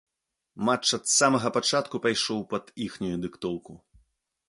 Матч ад самага пачатку пайшоў пад іхнюю дыктоўку.